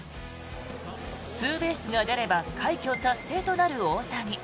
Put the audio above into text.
ツーベースが出れば快挙達成となる大谷。